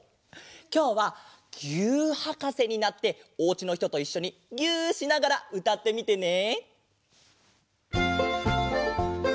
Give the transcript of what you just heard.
きょうは「ぎゅーっはかせ」になっておうちのひとといっしょにぎゅしながらうたってみてね！